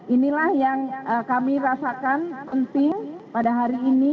inilah yang kami rasakan penting pada hari ini